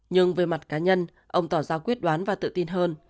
nhưng về mặt cá nhân ông tỏ ra quyết đoán và tự tin hơn